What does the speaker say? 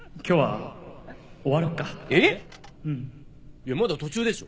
いやまだ途中でしょ。